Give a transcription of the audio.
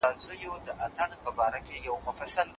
څو د طالبانو د حجاب